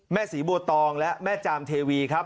ศรีบัวตองและแม่จามเทวีครับ